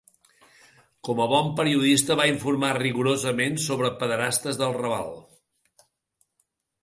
Com a bon periodista va informar rigorosament sobre pederastes del Raval.